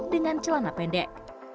dengan celana pendek